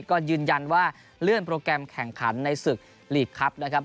ก็ยืนยันว่าเลื่อนโปรแกรมแข่งขันในศึกลีกครับนะครับ